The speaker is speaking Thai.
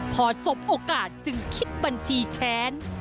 พอสมโอกาสจึงคิดบัญชีแค้น